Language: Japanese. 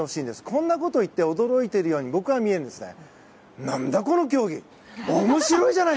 こんなことを言って驚いているように僕には見えるんですね。